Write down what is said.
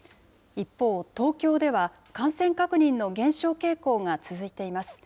一方、東京では感染確認の減少傾向が続いています。